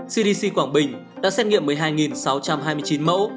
cdc quảng bình đã xét nghiệm một mươi hai sáu trăm hai mươi chín mẫu